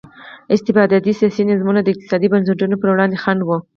استبدادي سیاسي نظامونه د اقتصادي بنسټونو پر وړاندې خنډ وو.